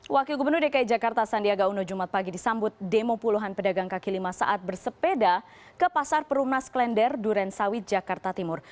wakil gubernur dki jakarta sandiaga uno jumat pagi disambut demo puluhan pedagang kaki lima saat bersepeda ke pasar perumnas klender duren sawit jakarta timur